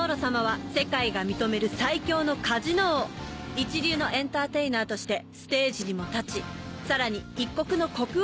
一流のエンターテイナーとしてステージにも立ちさらに一国の国王でもあります。